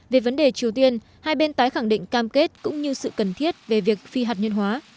về vấn đề triều tiên hai bên tái khẳng định cam kết cũng như sự cần thiết về việc phi hạt nhân hóa